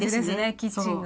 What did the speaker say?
キッチンが。